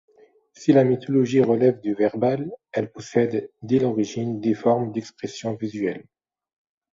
Si la mythologie relève du verbal, elle possède, dès l'origine, des formes d'expression visuelle.